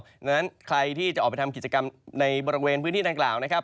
เพราะฉะนั้นใครที่จะออกไปทำกิจกรรมในบริเวณพื้นที่ดังกล่าวนะครับ